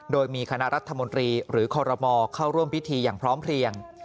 โดยมีคณะรัฐมนตรีหรือคอรมอเข้าร่วมพิธีอย่างพร้อมเพลียง